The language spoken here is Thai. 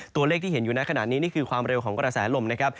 ตัวเลขที่เห็นอยู่ในขณะนี้นี่คือความเร็วของกระแสลมนะครับ